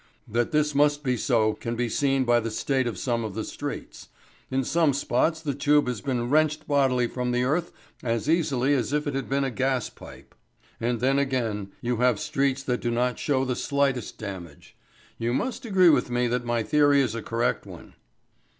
That this must be so can be seen by the state of some of the streets. In some spots the tube has been wrenched bodily from the earth as easily as if it had been a gaspipe. And then, again, you have streets that do not show the slightest damage. You must agree with me that my theory is a correct one."